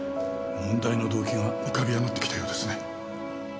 問題の動機が浮かび上がってきたようですね。